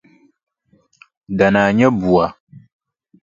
Danaa nya bua.